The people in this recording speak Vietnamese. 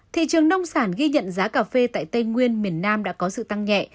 thị trường nông sản ghi nhận giá cà phê tại tây nguyên miền nam đã có sự tăng nhẹ